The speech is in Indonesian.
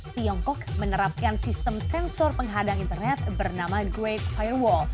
tiongkok menerapkan sistem sensor penghadang internet bernama great firewall